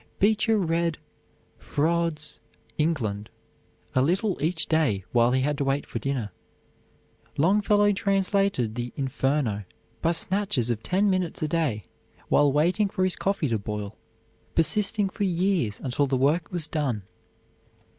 Beecher read Froude's "England" a little each day while he had to wait for dinner. Longfellow translated the "Inferno" by snatches of ten minutes a day, while waiting for his coffee to boil, persisting for years until the work was done.